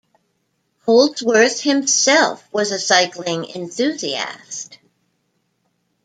Holdsworth himself was a cycling enthusiast.